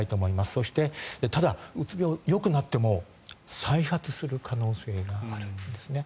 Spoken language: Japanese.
そして、ただ、うつ病がよくなっても再発する可能性があるんですね。